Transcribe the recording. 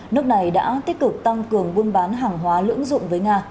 nước này đã tích cực tăng cường buôn bán hàng hóa lưỡng dụng với nga